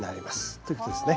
ということですね。